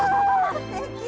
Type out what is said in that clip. すてき！